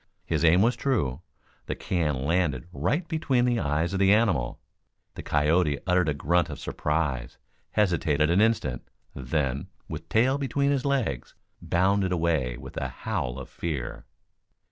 His aim was true. The can landed right between the eyes of the animal. The coyote uttered a grunt of surprise, hesitated an instant, then, with tail between his legs, bounded away with a howl of fear.